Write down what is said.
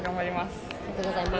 ありがとうございます。